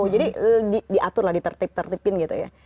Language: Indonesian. jadi diatur lah ditertip tertipin gitu ya